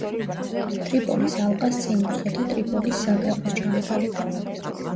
ტრიპოლის ალყას წინ უძღოდა ტრიპოლის საგრაფოს ჩამოყალიბება.